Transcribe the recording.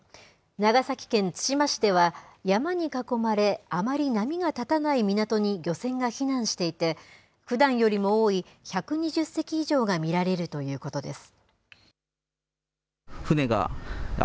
長崎県対馬市では、山に囲まれ、あまり波が立たない港に漁船が避難していて、ふだんよりも多い１２０隻以上が見られるということです。